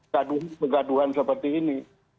gaduhan seperti ini